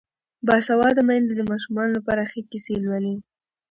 باسواده میندې د ماشومانو لپاره ښې کیسې لولي.